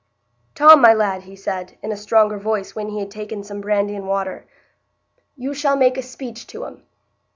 "Tom, my lad," he said, in a stronger voice, when he had taken some brandy and water, "you shall make a speech to 'em.